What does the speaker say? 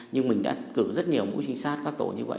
nhưng mình đã cử rất nhiều mũ trình sát các tổ như vậy